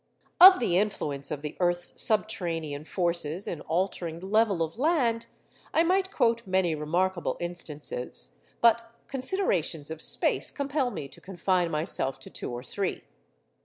Of the influence of the earth's subterranean forces in altering the level of land, I might quote many remarkable instances, but considerations of space compel me to confine myself to two or three.